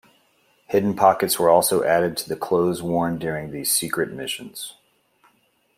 Hidden pockets were also added to the clothes worn during these secret missions.